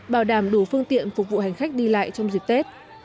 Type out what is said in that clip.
bảo đảm đủ phương tiện phục vụ hành khách đi lại trong dịp tết